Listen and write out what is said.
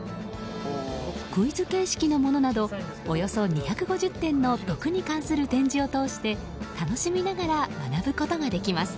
クイズ形式のものなどおよそ２５０点の毒に関する展示を通して楽しみながら学ぶことができます。